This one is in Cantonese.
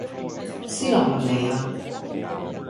斯洛文尼亞